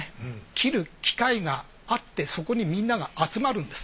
斬る機会があってそこにみんなが集まるんです。